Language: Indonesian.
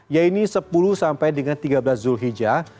yaitu sepuluh sampai dengan tiga belas zulhijjah